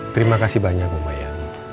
terima kasih banyak bu maya